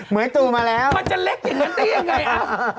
มือตูมาแล้วมันจะเล็กอย่างนั้นได้ยังไงอ่ะ